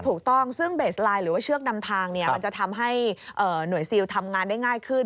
ถูกต้องซึ่งเบสไลน์หรือว่าเชือกนำทางมันจะทำให้หน่วยซิลทำงานได้ง่ายขึ้น